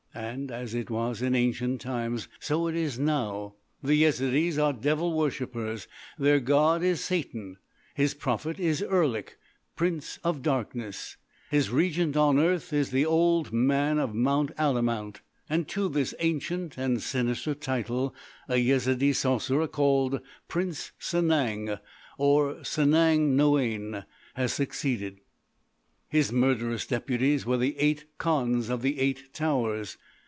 And, as it was in ancient times, so it is now: the Yezidees are devil worshipers; their god is Satan; his prophet is Erlik, Prince of Darkness; his regent on earth is the old man of Mount Alamout; and to this ancient and sinister title a Yezidee sorcerer called Prince Sanang, or Sanang Noïane, has succeeded. "His murderous deputies were the Eight Khans of the Eight Towers.